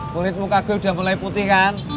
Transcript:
kulit muka gue udah mulai putih kan